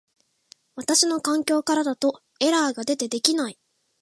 私の環境からだとエラーが出て出来ない